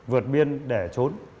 vượt biên để trốn